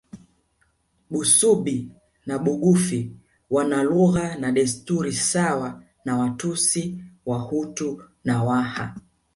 Busubi na Bugufi wana lugha na desturi sawa na Watusi Wahutu na Waha